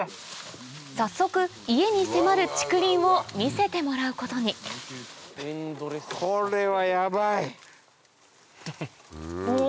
早速家に迫る竹林を見せてもらうことにお！